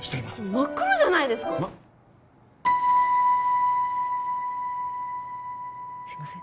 真っ黒じゃないですか真すいません